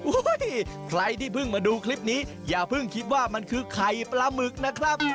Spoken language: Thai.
ใครที่เพิ่งมาดูคลิปนี้อย่าเพิ่งคิดว่ามันคือไข่ปลาหมึกนะครับ